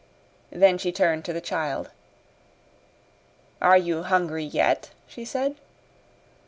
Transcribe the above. Then she turned to the child. "Are you hungry yet?" she said.